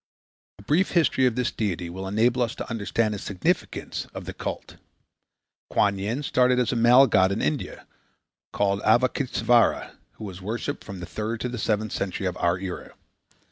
A brief history of this deity will enable us to understand the significance of the cult. Kuan Yin started as a male god in India, called Avalôkitêsvara, who was worshipped from the third to the seventh century of our era.